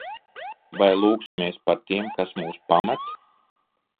Vai lūgsimies par tiem, kas mūs pamet?